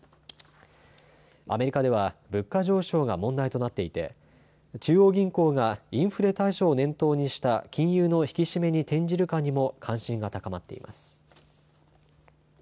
アメリカでは物価上昇が問題となっていて中央銀行がインフレ対処を念頭にした金融の引き締めに転じるかにも関心が高まっています。